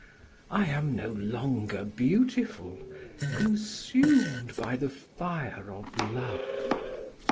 I am no longer beautiful, consumed by the fire of love.